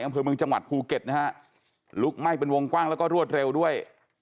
อำเภอเมืองจังหวัดภูเก็ตนะฮะลุกไหม้เป็นวงกว้างแล้วก็รวดเร็วด้วย